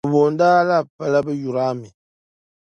'Bɛ booni a' pa la 'bɛ yur' a mi'.